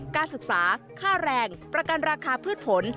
การศึกษาค่าแรงประกันราคาพืชผล